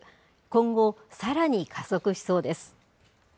今後、さらに加速しそうです。